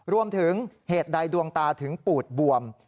รวมถึงเหตุใดดวงตาถึงปูดบวม